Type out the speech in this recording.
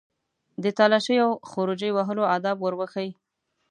د تالاشۍ او خروجي وهلو آداب ور وښيي.